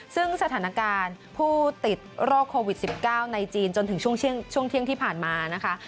ซึ่งสถานการณ์ผู้ติดโรคโควิด๑๙ในจีนจนถึงช่วงเที่ยงที่ผ่านมานะคะ